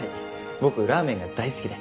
僕ラーメンが大好きで。